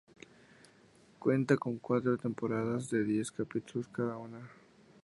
Cuenta con cuatro temporadas de diez capítulos cada una.